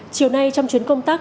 chiều nay trong chuyến công tác